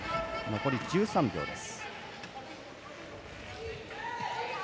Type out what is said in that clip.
残り１３秒です。